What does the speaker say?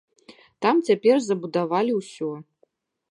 Там цяпер забудавалі ўсё.